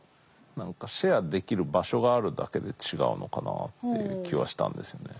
何かシェアできる場所があるだけで違うのかなっていう気はしたんですよね。